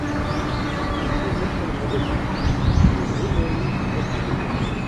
De septembre à décembre, le Brouwerssluis reste ouvert.